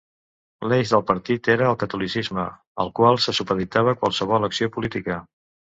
L'eix del partit era el catolicisme, al que se supeditava qualsevol acció política.